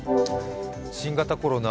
新型コロナ